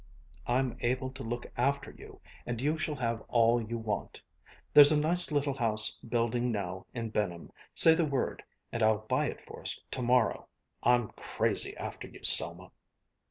I'm able to look after you, and you shall have all you want. There's a nice little house building now in Benham. Say the word and I'll buy it for us to morrow. I'm crazy after you, Selma."